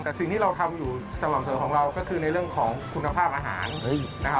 แต่สิ่งที่เราทำอยู่สม่ำเสมอของเราก็คือในเรื่องของคุณภาพอาหารนะครับ